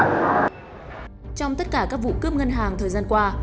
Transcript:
trong tất cả các vụ cướp ngân hàng thời gian qua